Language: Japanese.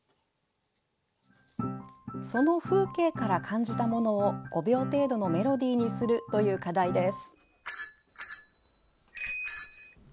その風景から感じたものを５秒程度のメロディーにするという課題です。